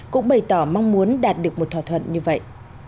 cũng bày tỏ mong muốn đạt được một thỏa thuận như vậy